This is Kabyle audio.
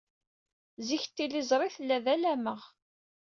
Zik, tiliẓri tella d alameɣ.